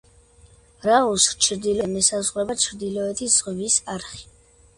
რაიონს ჩრდილოეთიდან ესაზღვრება ჩრდილოეთის ზღვის არხი.